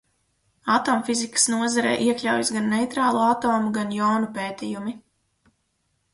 Atomfizikas nozarē iekļaujas gan neitrālu atomu, gan jonu pētījumi.